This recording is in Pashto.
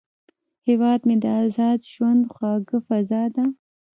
هیواد مې د ازاد ژوند خوږه فضا ده